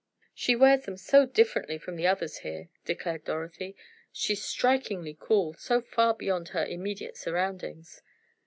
"She wears them so differently from the others here," declared Dorothy. "She's strikingly cool, so far beyond her immediate surroundings."